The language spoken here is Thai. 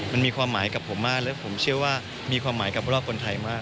มันมีความหมายกับผมมากและผมเชื่อว่ามีความหมายกับพวกเราคนไทยมาก